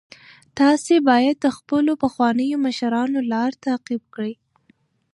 تاسي باید د خپلو پخوانیو مشرانو لار تعقیب کړئ.